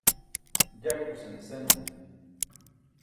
jaṭkusane senumo